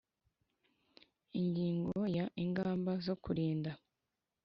Ingingo ya Ingamba zo kurinda